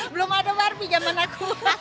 belum ada barbie jaman aku